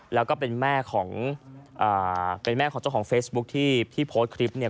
แล้วก็เป็นแม่ของเจ้าของเฟซบุ๊กที่โพสต์คลิปเนี่ย